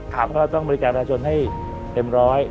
เพราะเราต้องบริการประชาชนให้เต็มร้อย